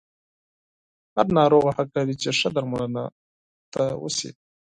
هر ناروغ حق لري چې ښه درملنه ورته وشي.